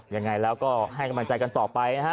ยังไงแล้วก็ให้กำลังใจกันต่อไปนะฮะ